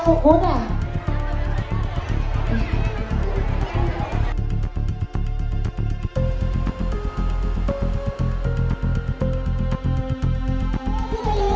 ก็จริง